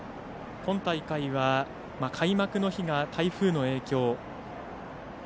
今大会は、開幕の日が台風の影響。